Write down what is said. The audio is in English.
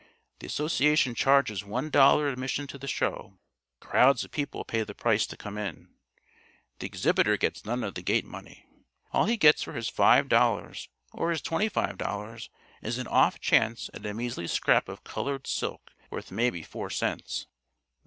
The Association charges one dollar admission to the show. Crowds of people pay the price to come in. The exhibitor gets none of the gate money. All he gets for his five dollars or his twenty five dollars is an off chance at a measly scrap of colored silk worth maybe four cents.